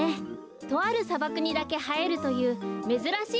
とあるさばくにだけはえるというめずらしいきです。